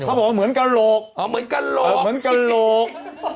เขาบอกว่าเหมือนกะโหลกเหมือนกะโหลก